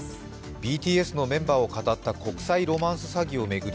ＢＴＳのメンバーを語った国際ロマンス詐欺を巡り